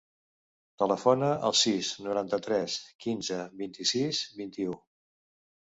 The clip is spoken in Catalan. Telefona al sis, noranta-tres, quinze, vint-i-sis, vint-i-u.